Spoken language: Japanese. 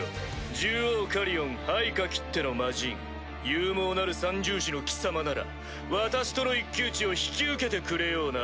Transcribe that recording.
獣王カリオン配下きっての魔人勇猛なる三獣士の貴様なら私との一騎打ちを引き受けてくれような？